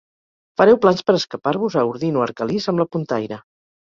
Fareu plans per escapar-vos a Ordino Arcalís amb la puntaire.